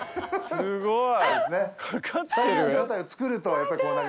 すごい！